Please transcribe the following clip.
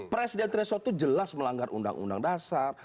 presiden threshold itu jelas melanggar undang undang dasar